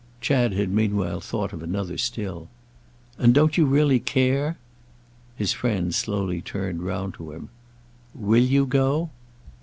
Chad had meanwhile thought of another still. "And don't you really care—?" His friend slowly turned round to him. "Will you go?"